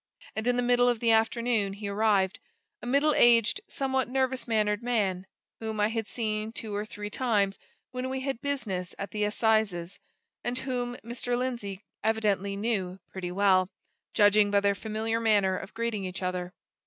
And in the middle of the afternoon he arrived a middle aged, somewhat nervous mannered man, whom I had seen two or three times when we had business at the Assizes, and whom Mr. Lindsey evidently knew pretty well, judging by their familiar manner of greeting each other.